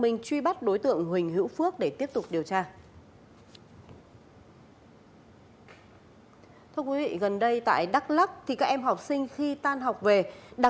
và đang truy bắt đối tượng huỳnh hiễu phước để tiếp tục điều tra